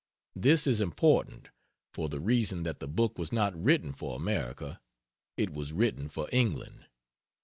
This is important, for the reason that the book was not written for America; it was written for England.